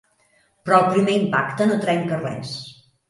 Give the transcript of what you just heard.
Però el primer impacte no trenca res.